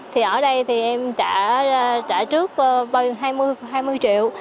thì ở đây thì em trả trước hơn hai mươi triệu